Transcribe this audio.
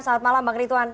selamat malam bang ritwan